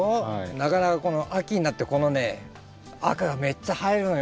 なかなかこの秋になってこのね赤がめっちゃ映えるのよ